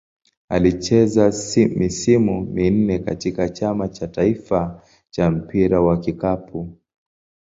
Alicheza misimu minne katika Chama cha taifa cha mpira wa kikapu.